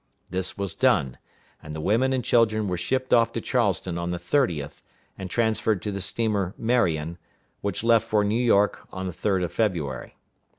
This was done; and the women and children were shipped off to Charleston on the 30th, and transferred to the steamer Marion, which left for New York on the 3d of February.